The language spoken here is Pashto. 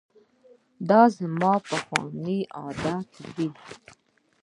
دا زما پخوانی عادت دی.